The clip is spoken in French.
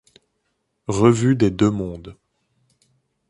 Revue des Deux-Mondes.